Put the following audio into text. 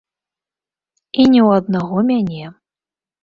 І не ў аднаго мяне.